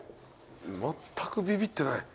まったくビビってない。